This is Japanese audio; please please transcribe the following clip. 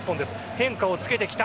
変化をつけてきた。